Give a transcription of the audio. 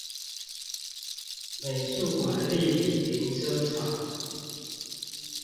美術館立體停車場